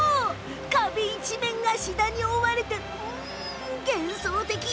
壁一面がシダに覆われて幻想的。